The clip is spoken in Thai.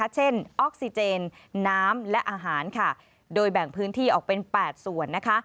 เช่นออกซิเจนน้ำและอาหารค่ะโดยแบ่งพื้นที่ออกเป็น๘ส่วนนะคะ